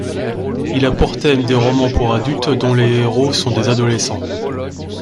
Il a pour thème des romans pour adultes dont les héros sont des adolescents.